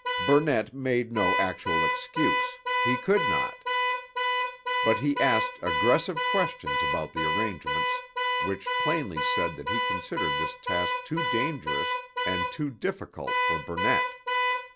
Burnett made no actual excuse; he could not. But he asked aggressive questions about the arrangements which plainly said that he considered this task too dangerous and too difficult for Burnett.